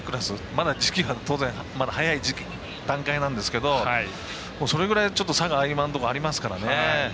まだ時期は当然、早い段階なんですけどそれぐらい差が今のところありますからね。